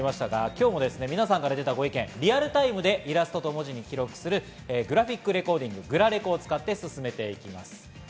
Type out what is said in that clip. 今日も皆さんから出たご意見、リアルタイムでイラストと文字に記録するグラフィックレコーディング、グラレコを使って進めていきます。